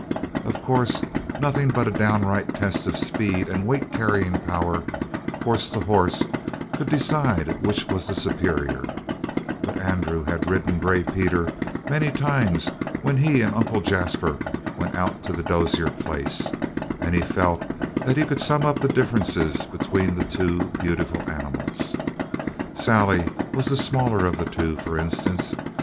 Of course, nothing but a downright test of speed and weight carrying power, horse to horse, could decide which was the superior, but Andrew had ridden Gray Peter many times when he and Uncle Jasper went out to the Dozier place, and he felt that he could sum up the differences between the two beautiful animals. Sally was the smaller of the two, for instance.